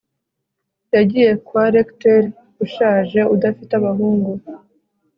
yagiye kwa recteur ushaje, udafite abahungu